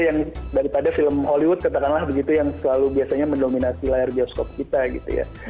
yang daripada film hollywood katakanlah begitu yang selalu biasanya mendominasi layar bioskop kita gitu ya